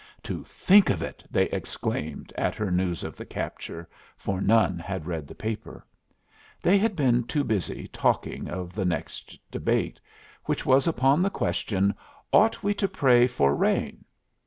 "To think of it!" they exclaimed, at her news of the capture, for none had read the paper. They had been too busy talking of the next debate, which was upon the question, "Ought we to pray for rain?"